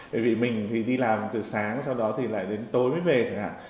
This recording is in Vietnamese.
bởi vì mình thì đi làm từ sáng sau đó thì lại đến tối mới về chẳng hạn